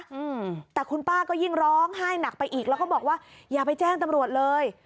อืมแต่คุณป้าก็ยิ่งร้องไห้หนักไปอีกแล้วก็บอกว่าอย่าไปแจ้งตำรวจเลย